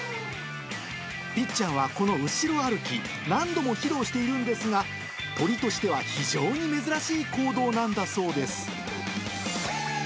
ぴっちゃんはこの後ろ歩き、何度も披露しているんですが、鳥としては非常に珍しい行動なんだそうです。